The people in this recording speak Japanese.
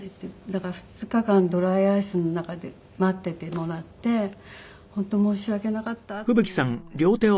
だから２日間ドライアイスの中で待っていてもらって本当申し訳なかったと思いながら。